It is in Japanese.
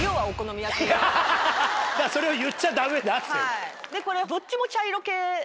それを言っちゃダメだっつってんだよ！